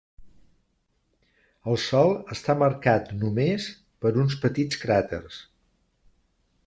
El sòl està marcat només per uns petits cràters.